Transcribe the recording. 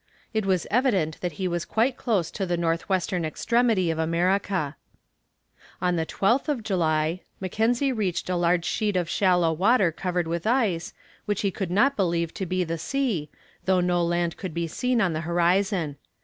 It was evident that he was quite close to the north western extremity of America. On the 12th July, Mackenzie reached a large sheet of shallow water covered with ice, which he could not believe to be the sea, though no land could be seen on the horizon.